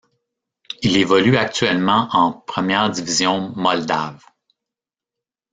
Il évolue actuellement en première division moldave.